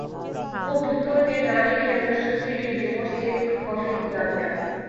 وہ بتوں نے ڈالے ہیں وسوسے کہ دلوں سے خوف خدا گیا